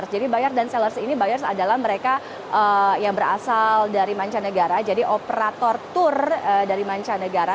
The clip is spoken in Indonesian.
jadi ini adalah asal dari mancanegara jadi operator tour dari mancanegara